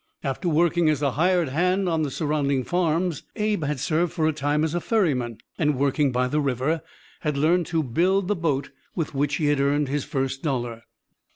After working as a hired hand on the surrounding farms, Abe had served for a time as a ferryman, and, working by the river, had learned to build the boat with which he had earned his first dollar.